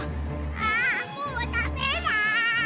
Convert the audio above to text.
ああもうダメだ！